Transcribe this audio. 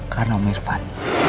karena om irfan